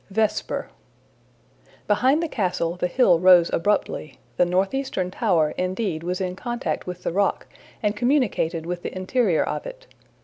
Vesper BEHIND the castle the hill rose abruptly; the northeastern tower, indeed, was in contact with the rock and communicated with the interior of it.